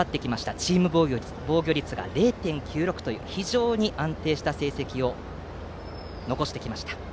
チーム防御率が０．９６と非常に安定した成績を残してきました。